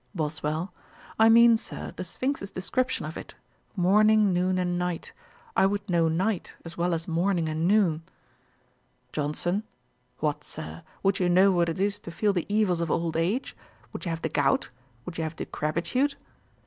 BOSWELL. 'I mean, Sir, the Sphinx's description of it; morning, noon, and night. I would know night, as well as morning and noon.' JOHNSON. 'What, Sir, would you know what it is to feel the evils of old age? Would you have the gout? Would you have decrepitude?'